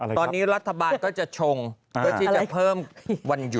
ตอนนี้รัฐบาลก็จะชงเพื่อที่จะเพิ่มวันหยุด